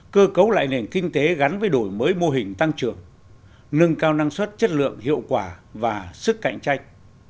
cơ cấu lại nền kinh tế gắn với đổi mới mô hình tăng trưởng nâng cao năng suất chất lượng hiệu quả và sức cạnh tranh